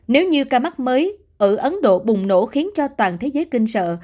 nếu như ca mắc mới ở ấn độ bùng nổ khiến cho toàn thế giới kinh sợ